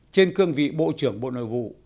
trên cương vị bộ trưởng bộ nội vụ